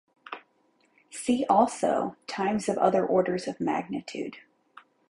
"See also" times of other orders of magnitude.